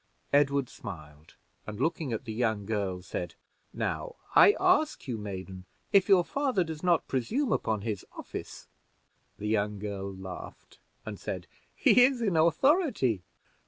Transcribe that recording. Edward smiled, and looking at the young girl, said: "Now, I ask you, maiden, if your father does not presume upon his office." The young girl laughed, and said: "He is in authority."